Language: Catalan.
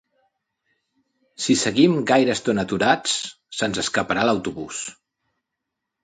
Si seguim gaire estona aturats se'ns escaparà l'autobús